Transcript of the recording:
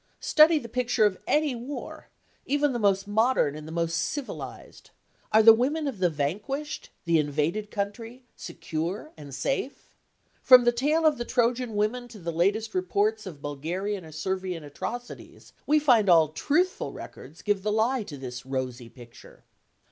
Study the picture of any war, even the most modern and the most "civilised." Are the women of the vanquished, the invaded country, "secure and safe"? From the tale of the Trojan women to the latest reports of Bulgarian or Servian atrocities, we find all truthful records give the lie to this rosy picture.